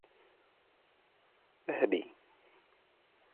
ذهبي